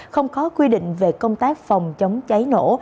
không có quy định về công tác phòng chống cháy nổ